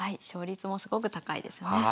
勝率もすごく高いですよね。